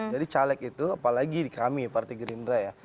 jadi caleg itu apalagi di kami partai gerindra ya